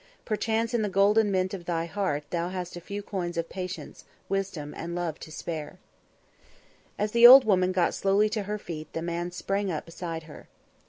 Perchance in the golden mint of thy heart hast thou a few coins of patience, wisdom and love to spare." As the old woman got slowly to her feet, the man sprang up beside her.